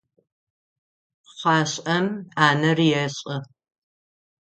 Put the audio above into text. Пхъашӏэм ӏанэр ешӏы.